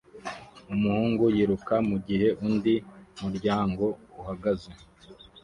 Umuhungu yiruka mugihe undi muryango uhagaze